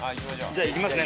いきますね